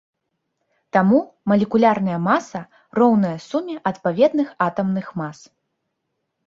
Таму малекулярная маса роўная суме адпаведных атамных мас.